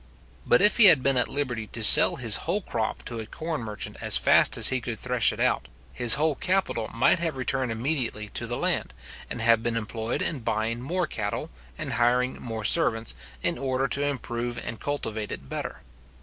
But if he had been at liberty to sell his whole crop to a corn merchant as fast as he could thresh it out, his whole capital might have returned immediately to the land, and have been employed in buying more cattle, and hiring more servants, in order to improve and cultivate it better.